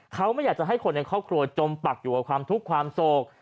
เขาไม่อยากจะให้คนในครอบครัวจมปักอยู่กับความทุกข์ความโศก